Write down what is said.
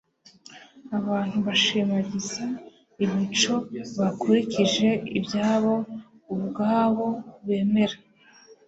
Abantu bashimagiza imico bakurikije ibyabo ubwabo bemera.